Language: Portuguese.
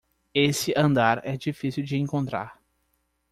Esse andar é difícil de encontrar